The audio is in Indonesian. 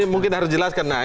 mungkin harus dijelaskan